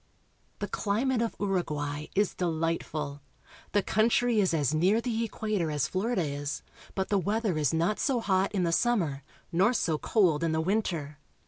The climate of Uruguay is delight ful. The country is as near the equa tor as Florida is, but the weather is not so hot in the summer, nor so cold in the winter.